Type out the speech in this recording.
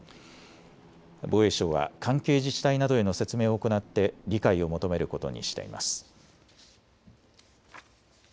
防衛省は関係自治体などへの説明を行って理解を求めることにしています。